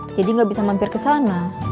jadi gak bisa mampir kesana